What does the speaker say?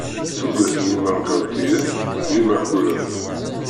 Tuget n yimerkantiyen d imakuren.